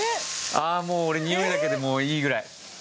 ああ俺においだけでもういいぐらい。